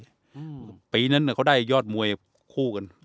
อืมปีนั้นเขาได้ยอดมวยคู่กัน